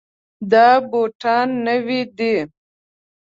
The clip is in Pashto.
دا بوټان نوي دي.